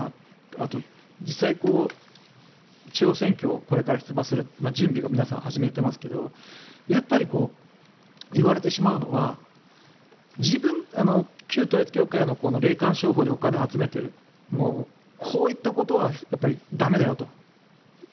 あと実際、地方選挙これから出馬する準備を皆さん始めていますがやっぱり言われてしまうのは旧統一教会の霊感商法でお金を集めているこういったことは駄目だよと。